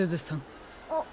あっ。